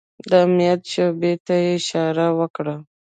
د امنيت شعبې ته يې اشاره وکړه.